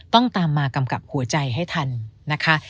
ตามมากำกับหัวใจให้ทันนะคะ